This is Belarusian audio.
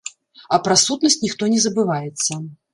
А пра сутнасць ніхто не забываецца.